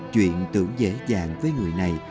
chuyện tưởng dễ dàng với người này